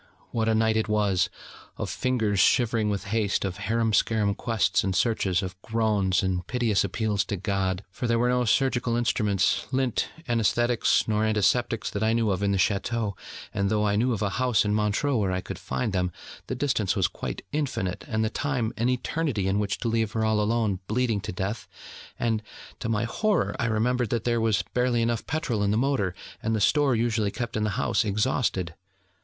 what a night it was! of fingers shivering with haste, of harum scarum quests and searches, of groans, and piteous appeals to God. For there were no surgical instruments, lint, anaesthetics, nor antiseptics that I knew of in the Château; and though I knew of a house in Montreux where I could find them, the distance was quite infinite, and the time an eternity in which to leave her all alone, bleeding to death; and, to my horror, I remembered that there was barely enough petrol in the motor, and the store usually kept in the house exhausted.